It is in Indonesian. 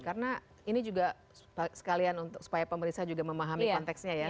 karena ini juga sekalian supaya pemerintah juga memahami konteksnya ya